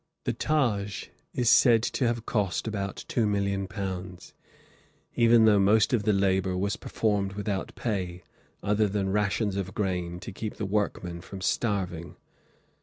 The Taj is said to have cost about two million pounds, even though most of the labor was performed without pay, other than rations of grain to keep the workmen from starving.